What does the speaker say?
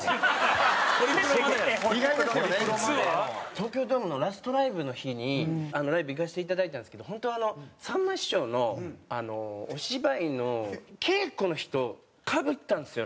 東京ドームのラストライブの日にライブ行かせていただいたんですけど本当はさんま師匠のお芝居の稽古の日とかぶったんですよ